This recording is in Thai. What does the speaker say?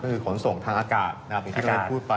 ก็คือขนส่งทางอากาศอย่างที่เราพูดไป